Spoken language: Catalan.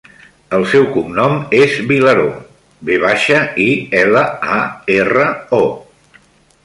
El seu cognom és Vilaro: ve baixa, i, ela, a, erra, o.